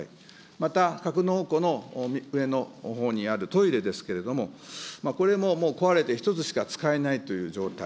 また格納庫の上のほうにあるトイレですけれども、これももう壊れて１つしか使えないという状態。